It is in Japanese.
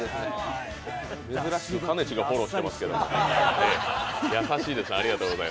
珍しくかねちがフォローしてますけど、優しいですね。